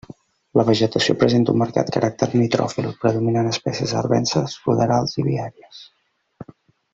La vegetació presenta un marcat caràcter nitròfil predominant espècies arvenses, ruderals i viàries.